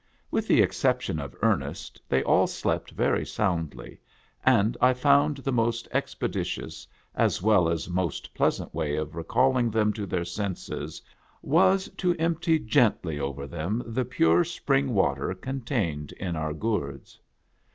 With the exception of Ernest, they all slept very soundly, and I found, the most ex peditious as well as most pleasant way of recalling them to their senses was to empty gently over them the pure spring water contained in our gourds.